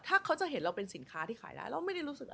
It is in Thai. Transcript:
ถ้าเขาจะเห็นเราเป็นสินค้าที่ขายได้เราไม่ได้รู้สึกอะไร